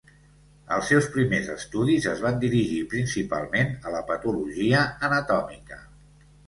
Els seus primers estudis es van dirigir principalment a la patologia anatòmica.